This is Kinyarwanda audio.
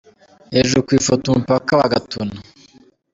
Hejuru ku ifoto: Umupaka wa Gatuna.